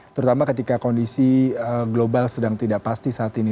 terutama ketika kondisi global sedang tidak pasti saat ini